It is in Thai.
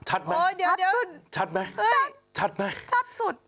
ชัดไหมชัดไหมชัดไหมชัดสุดชัดสุด